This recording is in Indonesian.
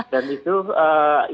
dan itu akan memberi eskensi